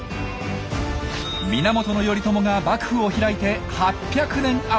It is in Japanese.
源頼朝が幕府を開いて８００年余り。